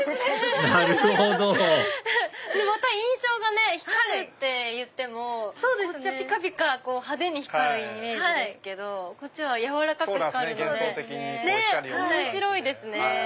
なるほどまた印象が光るっていってもこっちはピカピカ派手に光るイメージですけどこっちはやわらかく光るので面白いですね